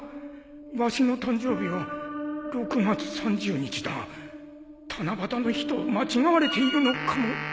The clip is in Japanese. わしの誕生日は６月３０日だが七夕の日と間違われているのかも